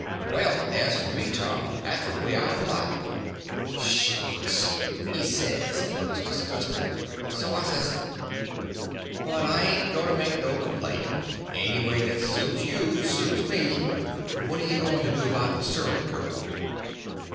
"Well, as for me, Tom, that's the way I'd like." "Shucks!" he says, and looked disgusted. So I says: "But I ain't going to make no complaint. Any way that suits you suits me. What you going to do about the servant girl?"